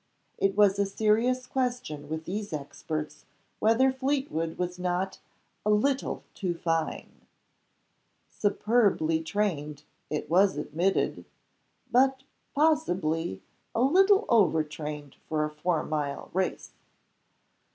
It was a serious question with these experts whether Fleetwood was not "a little too fine." Superbly trained, it was admitted but, possibly, a little over trained for a four mile race.